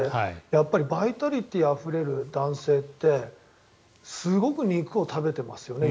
やっぱりバイタリティーあふれる男性ってすごく肉を食べていますよね